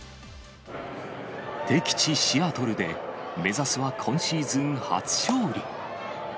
敵地、シアトルで、目指すは今シーズン初勝利。